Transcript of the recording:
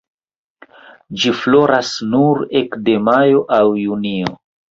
Ĝi floras nur ekde majo aŭ junio.